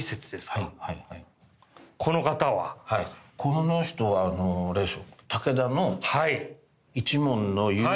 この人はあれですよ。